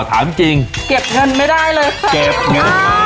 ถามจริงเก็บเงินไม่ได้เลยค่ะเก็บเงินไม่ได้เลยค่ะอ่า